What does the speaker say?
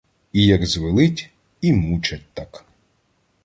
І як звелить — і мучать так.